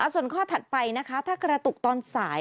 ส่วนข้อถัดไปนะคะถ้ากระตุกตอนสาย